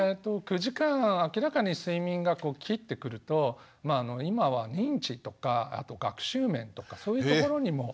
９時間明らかに睡眠がこう切ってくるとまああの今は認知とかあと学習面とかそういうところにも。